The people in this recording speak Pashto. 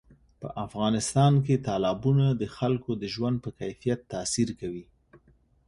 په افغانستان کې تالابونه د خلکو د ژوند په کیفیت تاثیر کوي.